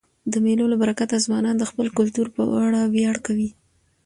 د مېلو له برکته ځوانان د خپل کلتور په اړه ویاړ کوي.